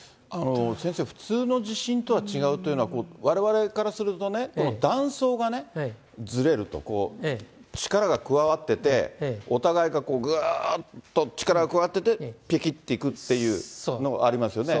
先生、普通の地震とは違うというのは、われわれからするとね、断層がね、ずれると、こう、力が加わってて、お互いがぐっと力が加わってて、ぴきっていくっていうのがありますよね。